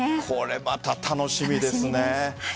これまた楽しみですね。